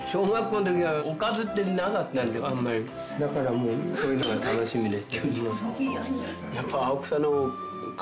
だからもうこういうのが楽しみで。